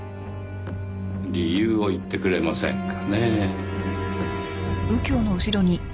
理由を言ってくれませんかねぇ。